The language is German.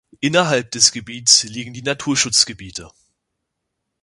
Innerhalb des Gebiets liegen die Naturschutzgebiete